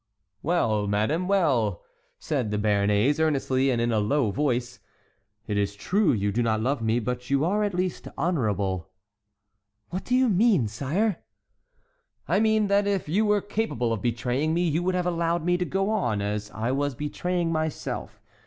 "Well, madame, well," said the Béarnais, earnestly and in a low voice, "it is true you do not love me, but you are, at least, honorable." "What do you mean, sire?" "I mean that if you were capable of betraying me, you would have allowed me to go on, as I was betraying myself.